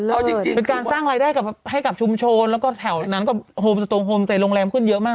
เอาจริงเป็นการสร้างรายได้ให้กับชุมชนแล้วก็แถวนั้นก็โฮมสตงโฮมแต่โรงแรมขึ้นเยอะมาก